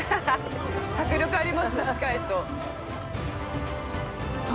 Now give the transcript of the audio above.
◆迫力ありますね、近いと。